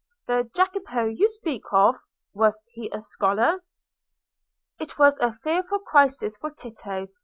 The Jacopo you speak of, was he a scholar?" It was a fearful crisis for Tito.